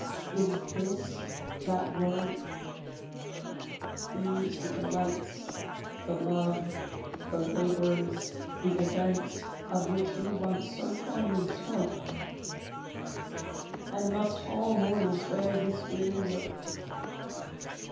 Is this that world? These the delights, The love, the labors, the events, Of which we once so fondly spoke? And must all mortals wear this weary yoke?